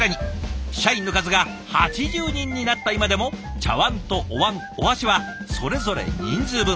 社員の数が８０人になった今でも茶碗とおわんお箸はそれぞれ人数分。